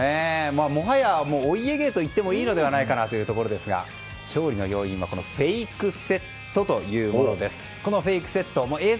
もはや、お家芸と言ってもいいのではというところですが勝利の要因はフェイクセットというものです。